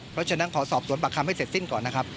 เพราะฉะนั้นขอสอบสวนปากคำให้เสร็จสิ้นก่อนนะครับ